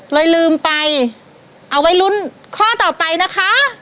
ลืมไปเอาไว้ลุ้นข้อต่อไปนะคะ